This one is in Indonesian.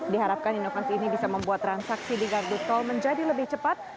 diharapkan inovasi ini bisa membuat transaksi di gardu tol menjadi lebih cepat